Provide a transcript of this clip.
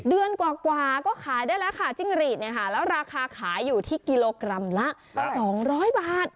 เดือนกว่าก็ขายได้แล้วค่ะจิ้งหรีดเนี่ยค่ะแล้วราคาขายอยู่ที่กิโลกรัมละ๒๐๐บาท